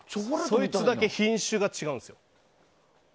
そいつだけ品種が違うんですよ。